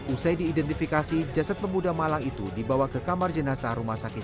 usai diidentifikasi jasad pemuda malang itu dibawa ke kamar jenazah rumah sakit